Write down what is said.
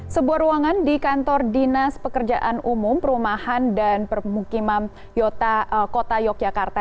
sebuah ruangan di kantor dinas pekerjaan umum perumahan dan permukiman yota kota yogyakarta